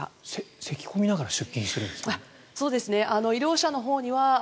せき込みながら出勤してるんですか？